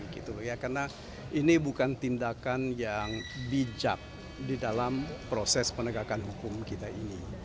karena ini bukan tindakan yang bijak di dalam proses penegakan hukum kita ini